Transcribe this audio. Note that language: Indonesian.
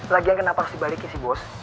lagian kenapa harus dibalikin sih bos